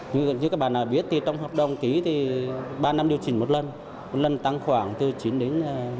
như các bạn đã biết trong hợp đồng ký thì ba năm điều chỉnh một lần một lần tăng khoảng từ chín đến một mươi tám